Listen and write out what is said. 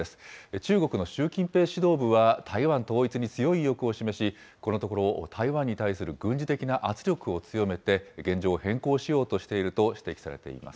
中国の習近平指導部は、台湾統一に強い意欲を示し、このところ、台湾に対する軍事的な圧力を強めて、現状を変更しようとしていると指摘されています。